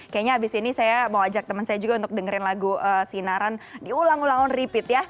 kayaknya abis ini saya mau ajak teman saya juga untuk dengerin lagu sinaran diulang ulang repeat ya